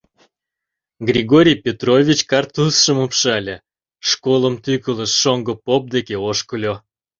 Григорий Петрович картузшым упшале, школым тӱкылыш, шоҥго поп деке ошкыльо...